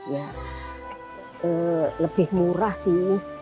ya lebih murah sih